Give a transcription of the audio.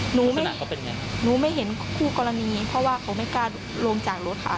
หนูไม่เห็นเขาเป็นยังไงหนูไม่เห็นคู่กรณีเพราะว่าเขาไม่กล้าลงจากรถขาด